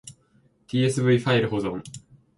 tsv ファイル保存